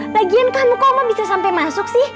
lagian kamu kok oma bisa sampe masuk sih